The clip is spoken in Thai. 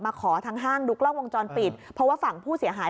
ขอทางห้างดูกล้องวงจรปิดเพราะว่าฝั่งผู้เสียหาย